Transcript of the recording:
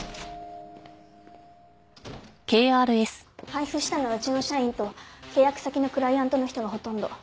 配布したのはうちの社員と契約先のクライアントの人がほとんど。